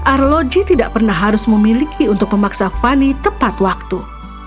arloji tidak pernah harus memiliki untuk memaksa fanny tepat waktu